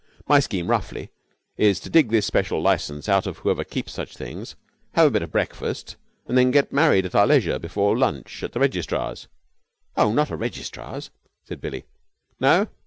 My scheme roughly is to dig this special license out of whoever keeps such things, have a bit of breakfast, and then get married at our leisure before lunch at a registrar's." "Oh, not a registrar's!" said Billie. "No?"